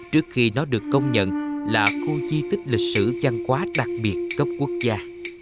trước khi nó được công nhận là khu di tích lịch sử văn hóa đặc biệt cấp quốc gia